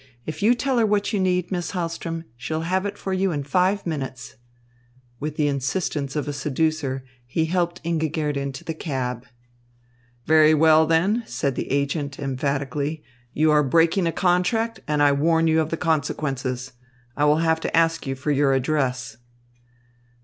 "If you tell her what you need, Miss Hahlström, she'll have it for you in five minutes." With the insistence of a seducer, he helped Ingigerd into the cab. "Very well, then," said the agent emphatically, "you are breaking a contract, and I warn you of the consequences. I will have to ask you for your address."